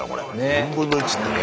４分の１ってね。